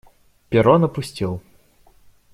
Перрон опустел.